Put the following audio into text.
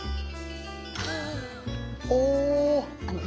お！